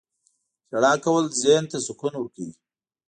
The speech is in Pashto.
• ژړا کول ذهن ته سکون ورکوي.